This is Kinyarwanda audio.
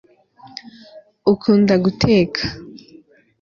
ukunda guteka